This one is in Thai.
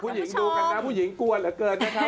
ผู้หญิงดูกันนะผู้หญิงกลัวเหลือเกินนะคะ